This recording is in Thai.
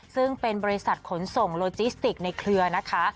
ซึ่งเป็นบริษัทขนส่งโลจิสติกในเครือนะคะ